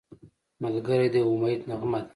ملګری د امید نغمه ده